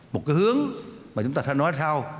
một cái hướng mà chúng ta sẽ nói sau